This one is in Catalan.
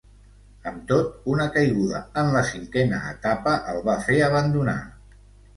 Amb tot, una caiguda en la cinquena etapa el va fer abandonar.